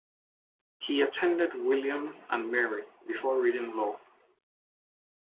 He attended William and Mary before reading law.